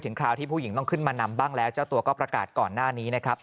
คราวที่ผู้หญิงต้องขึ้นมานำบ้างแล้วเจ้าตัวก็ประกาศก่อนหน้านี้นะครับ